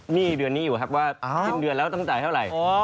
หนี้เดือนนี้อยู่ครับว่าสิ้นเดือนแล้วต้องจ่ายเท่าไหร่